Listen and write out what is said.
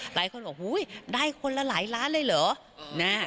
หลายคนบอกได้คนละหลายล้านเลยเหรอ